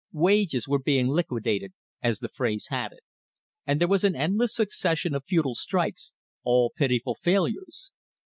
Wages were being "liquidated," as the phrase had it; and there was an endless succession of futile strikes, all pitiful failures.